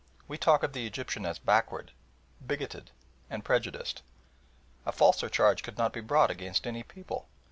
We talk of the Egyptian as backward, bigoted, and prejudiced. A falser charge could not be brought against any people.